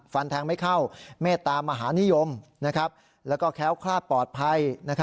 ฟันแทงไม่เข้าเมตตามหานิยมแล้วก็แค้วคลาดปลอดภัย